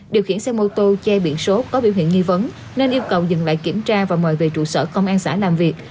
điều khiển xe mô tô che biển số có biểu hiện nghi vấn nên yêu cầu dừng lại kiểm tra và mời về trụ sở công an xã làm việc